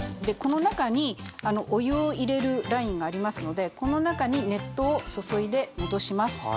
でこの中にお湯を入れるラインがありますのでこの中に熱湯を注いで戻します。